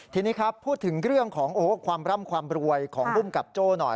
ทีนี้ครับพูดถึงเรื่องของความร่ำความรวยของภูมิกับโจ้หน่อย